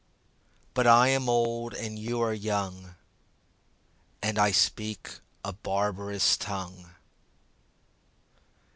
But I am old and you are young, And I speak a barbarous tongue.